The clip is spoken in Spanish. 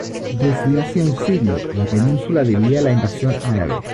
Desde hacía un siglo, la Península vivía la invasión árabe.